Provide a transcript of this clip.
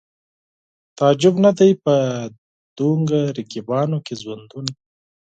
تعجب نه دی په دومره رقیبانو کې ژوندون